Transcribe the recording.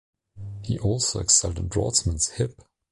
He also excelled in draughtsmanship.